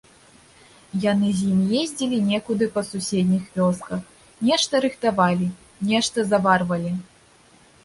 Яны з ім ездзілі некуды па суседніх вёсках, нешта рыхтавалі, нешта заварвалі.